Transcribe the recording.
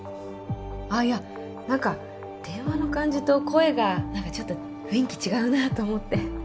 あっいやなんか電話の感じと声がなんかちょっと雰囲気違うなと思って。